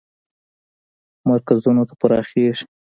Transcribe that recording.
مرکزونو ته پراخیږي.